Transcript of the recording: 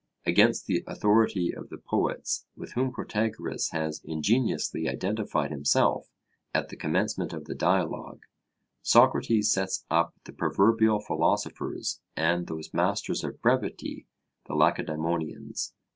Against the authority of the poets with whom Protagoras has ingeniously identified himself at the commencement of the Dialogue, Socrates sets up the proverbial philosophers and those masters of brevity the Lacedaemonians.